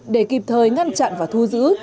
để kịp thời ngăn chặn và thu giữ